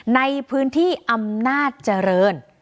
ในพื้นที่อำนาจรณ